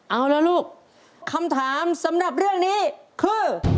เอาละลูกคำถามสำหรับเรื่องนี้คือ